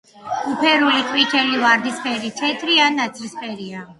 უფერული, ყვითელი, ვარდისფერი, თეთრი ან ნაცრისფერია.